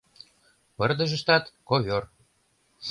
— Пырдыжыштат — ковёр...